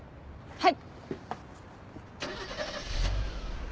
はい。